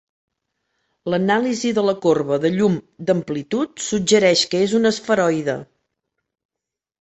L'anàlisi de la corba de llum d'amplitud suggereix que és un esferoide.